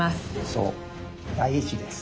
そう第一です。